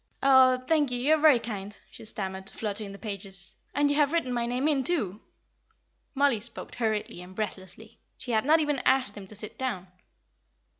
"Oh, thank you; you are very kind," she stammered, fluttering the pages. "And you have written my name in, too!" Mollie spoke hurriedly and breathlessly; she had not even asked him to sit down.